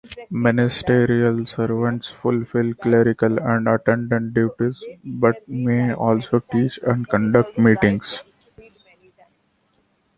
Ministerial servants fulfill clerical and attendant duties, but may also teach and conduct meetings.